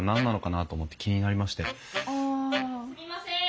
・すみません。